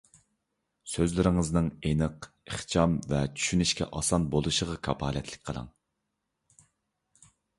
سۆزلىرىڭىزنىڭ ئېنىق، ئىخچام ۋە چۈشىنىشكە ئاسان بولۇشىغا كاپالەتلىك قىلىڭ.